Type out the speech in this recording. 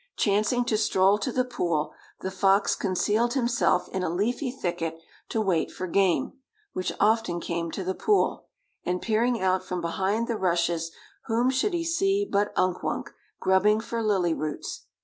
Chancing to stroll to the pool, the fox concealed himself in a leafy thicket to wait for game, which often came to the pool, and peering out from behind the rushes whom should he see but Unk Wunk grubbing for lily roots.